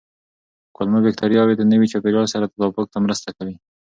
کولمو بکتریاوې د نوي چاپېریال سره تطابق ته مرسته کوي.